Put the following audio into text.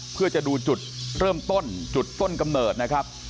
เพื่อจะดูจุดเริ่มต้นจุดต้นกำเนิดนะครับ